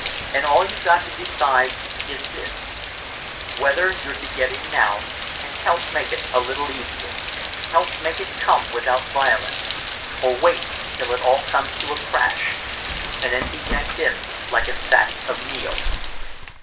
And all you've got to decide is this whether you're to get in now, and help make it a little easier, help make it come without violence or wait till it all comes to a crash and then be yanked in like a sack of meal!"